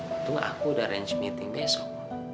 untung aku udah arrange meeting besok